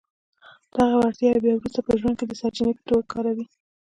دغه وړتياوې بيا وروسته په ژوند کې د سرچینې په توګه کاروئ.